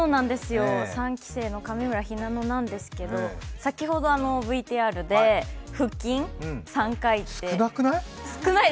３期生の上村ひなのなんですけど先ほどＶＴＲで少なくない？